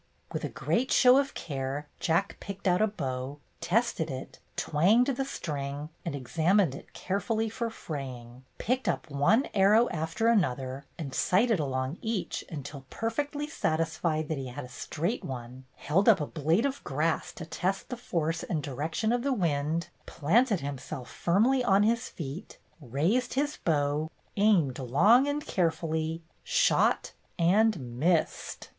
With a great show of care Jack picked out a bow, tested it, twanged the string, and ex amined it carefully for fraying; picked up one arrow after another and sighted along each until perfectly satisfied that he had a straight one ; held up a blade of grass to test the force and direction of the wind; planted himself firmly on his feet, raised his bow, aimed long and carefully, shot, and missed